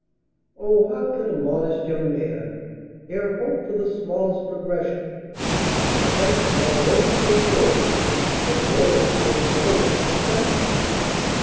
"O, how can a modest young man E'er hope for the smallest progression,— The profession's already so full Of lawyers so full of profession!"